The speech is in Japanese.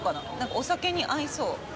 お酒に合いそう。